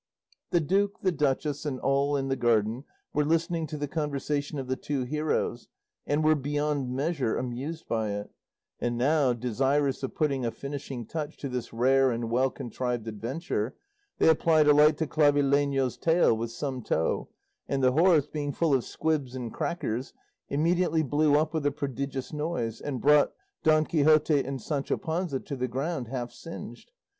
The duke, the duchess, and all in the garden were listening to the conversation of the two heroes, and were beyond measure amused by it; and now, desirous of putting a finishing touch to this rare and well contrived adventure, they applied a light to Clavileño's tail with some tow, and the horse, being full of squibs and crackers, immediately blew up with a prodigious noise, and brought Don Quixote and Sancho Panza to the ground half singed.